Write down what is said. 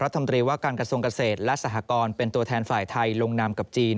รัฐมนตรีว่าการกระทรวงเกษตรและสหกรณ์เป็นตัวแทนฝ่ายไทยลงนามกับจีน